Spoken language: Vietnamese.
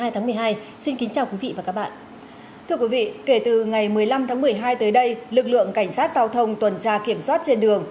thưa quý vị kể từ ngày một mươi năm tháng một mươi hai tới đây lực lượng cảnh sát giao thông tuần tra kiểm soát trên đường